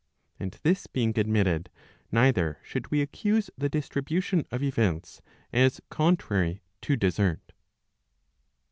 And this being admitted, neither should we accuse the distribution of events as contrary to desert.